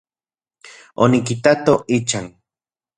Onikitato ichan.